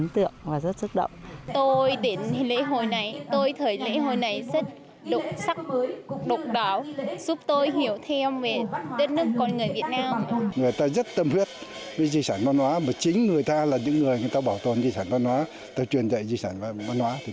tết cơm mới